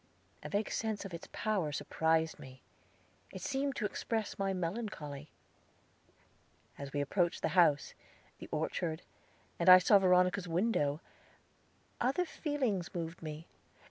A vague sense of its power surprised me; it seemed to express my melancholy. As we approached the house, the orchard, and I saw Veronica's window, other feelings moved me.